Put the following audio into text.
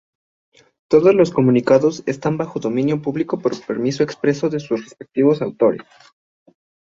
Todos los comunicados están bajo dominio público por permiso expreso de sus respectivos autores.